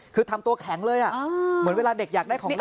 คือทำตัวแข็งเลยเหมือนเวลาเด็กอยากได้ของน้ำ